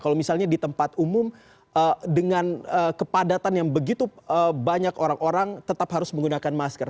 kalau misalnya di tempat umum dengan kepadatan yang begitu banyak orang orang tetap harus menggunakan masker